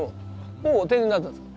もう定年になったんですか？